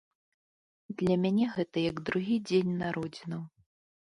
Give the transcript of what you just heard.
Для мяне гэта як другі дзень народзінаў.